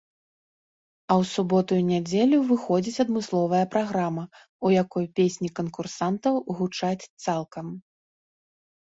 А ў суботу і нядзелю выходзіць адмысловая праграма, у якой песні канкурсантаў гучаць цалкам.